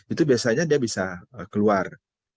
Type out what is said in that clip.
itu biasanya dia bisa keluar